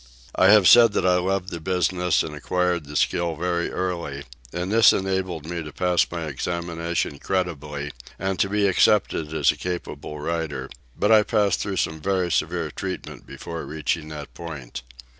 I have said that I loved the business and acquired the skill very early, and this enabled me to pass my examination creditably, and to be accepted as a capable rider, but I passed through some very severe treatment before reaching that point.